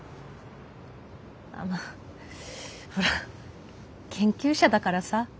あまあほら研究者だからさ。